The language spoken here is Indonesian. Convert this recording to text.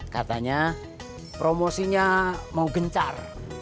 katanya promosinya mau gencar